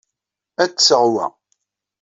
Ad d-tseɣ wa.